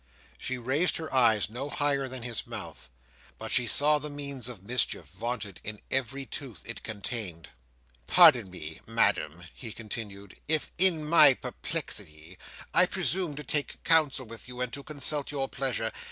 She raised her eyes no higher than his mouth, but she saw the means of mischief vaunted in every tooth it contained. "Pardon me, Madam," he continued, "if in my perplexity, I presume to take counsel with you, and to consult your pleasure.